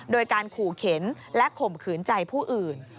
โดยการขู่เข็นและข่มขืนใจผู้อื่น